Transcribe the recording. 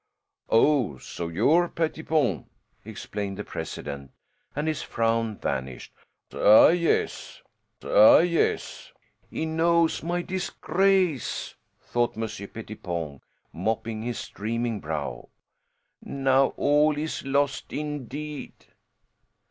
"Oh, so you're Pettipon!" exclaimed the president, and his frown vanished. "Ah, yes; ah, yes." "He knows of my disgrace," thought Monsieur Pettipon, mopping his streaming brow. "Now all is lost indeed."